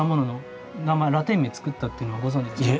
ラテン名作ったっていうのはご存じですか？